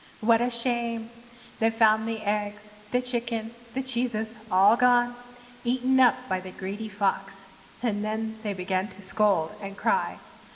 What a shame! they found the eggs, the chickens, the cheeses all gone eaten up by the greedy Fox. And then they began to scold and cry.